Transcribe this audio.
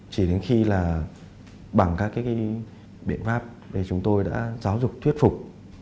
chỉ đến khi là bằng các cái biện pháp để chúng tôi đã giáo dục thuyết phục